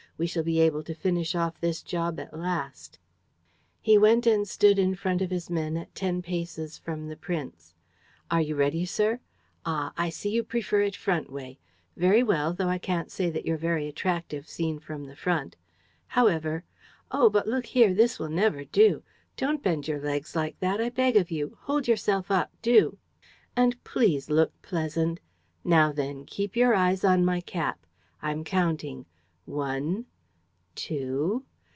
We shall be able to finish off this job at last!" He went and stood in front of his men at ten paces from the prince: "Are you ready, sir? Ah, I see you prefer it front way! ... Very well, though I can't say that you're very attractive seen from the front. However. ... Oh, but look here, this will never do! Don't bend your legs like that, I beg of you. Hold yourself up, do! And please look pleasant. Now then; keep your eyes on my cap. ... I'm counting: one